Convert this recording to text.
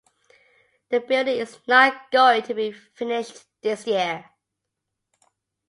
The building is not going to be finished this year.